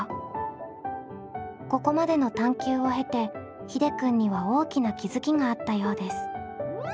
ここまでの探究を経てひでくんには大きな気付きがあったようです。